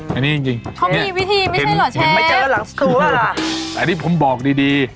เขามีวิธีไม่ใช่เหรอเชฟอันนี้ผมบอกดี